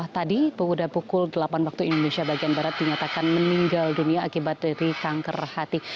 tadi pada pukul delapan waktu indonesia bagian barat dinyatakan meninggal dunia akibat dari kanker hati